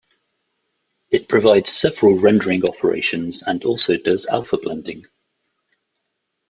It provides several rendering operations and also does alpha blending.